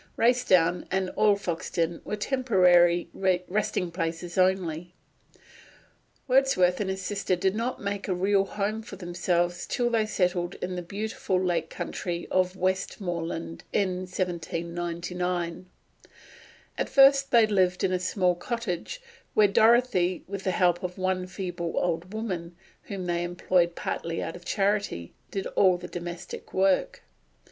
Racedown and Alfoxden were temporary resting places only; Wordsworth and his sister did not make a real home for themselves till they settled in the beautiful lake country of Westmoreland, in 1799. At first they lived in a small cottage, where Dorothy, with the help of one feeble old woman, whom they employed partly out of charity, did all the domestic work.